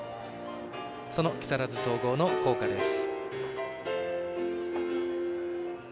その木更津総合の校歌です。